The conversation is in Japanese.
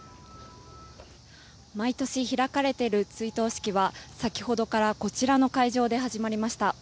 毎年開かれている追悼式は先ほどからこちらの会場で始まりました。